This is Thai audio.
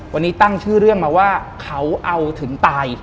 วันนี้ตั้งชื่อเรื่องมาว่าเขาเอาถึงตาย